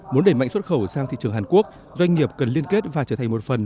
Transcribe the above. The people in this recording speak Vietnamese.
muốn đẩy mạnh xuất khẩu sang thị trường hàn quốc doanh nghiệp cần liên kết và trở thành một phần